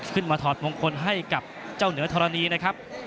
ถอดมงคลให้กับเจ้าเหนือธรณีนะครับ